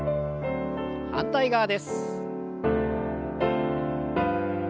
反対側です。